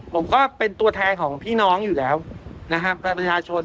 ผมก็เป็นตัวแทนของพี่น้องอยู่แล้วนะครับประชาชน